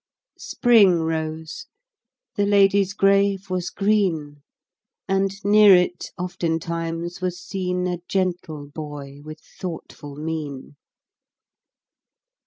Spring rose; the lady's grave was green; And near it, oftentimes, was seen A gentle boy with thoughtful mien.